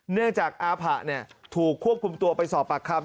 เนื่องจากอาผะถูกควบคุมตัวไปสอบปากคำ